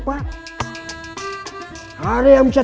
ada yang berkaki empat